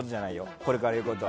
これから言うことは。